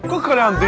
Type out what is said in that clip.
kok kalian disini